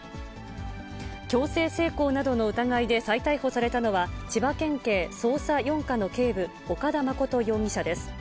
強制性交などの疑いで再逮捕されたのは、千葉県警捜査４課の警部、岡田誠容疑者です。